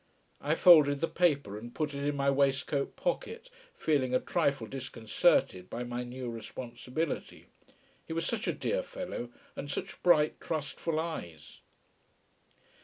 I folded the paper and put it in my waistcoat pocket, feeling a trifle disconcerted by my new responsibility. He was such a dear fellow and such bright trustful eyes.